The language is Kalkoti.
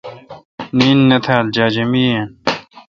نین نہ تھال جاجمے یین۔